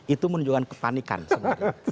itu menunjukkan kepanikan sebenarnya